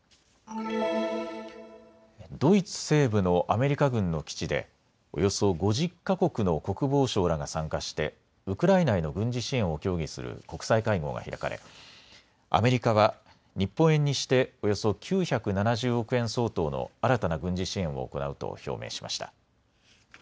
ドイツ西部のアメリカ軍の基地でおよそ５０か国の国防相らが参加してウクライナへの軍事支援を協議する国際会合が開かれアメリカは日本円にしておよそ９７０億円相当の新たな軍事支援を行うと表明しました。